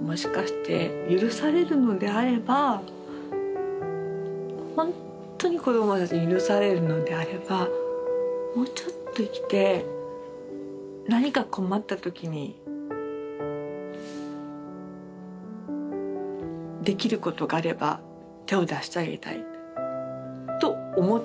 もしかして許されるのであればほんとに子どもたちに許されるのであればもうちょっと生きて何か困った時にできることがあれば手を出してあげたいと思ったんですね。